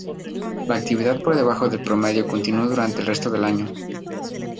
La actividad por debajo del promedio continuó durante el resto del año.